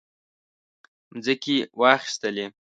مځکې واخیستلې.